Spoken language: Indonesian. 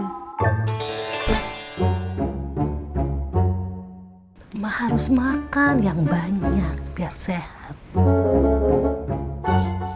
gak usah biar sehat